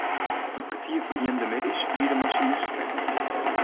Om kertier foar ienen de middeis wie de masinist frij.